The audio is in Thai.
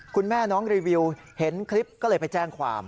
คุณแม่น้องรีวิวเห็นคลิปก็เลยไปแจ้งความ